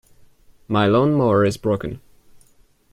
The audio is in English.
My lawn-mower is broken.